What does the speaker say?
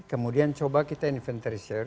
kemudian coba kita inventarisir